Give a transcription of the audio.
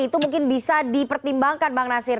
itu mungkin bisa dipertimbangkan bang nasir